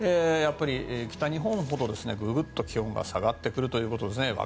やっぱり北日本ほどググッと気温が下がってくるということですね。